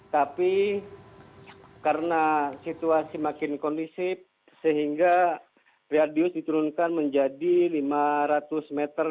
tapi karena situasi makin kondisif sehingga radius diturunkan menjadi lima ratus meter